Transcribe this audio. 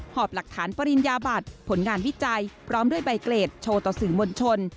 หอบหลักฐานปริญญาบัตรผลงานวิจัยพร้อมด้วยใบเกรดโชว์ต่อสื่อมวลชน